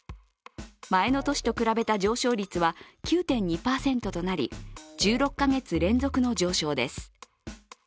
前の年と比べた上昇率は９．２％となり、１６カ月連続の上昇です。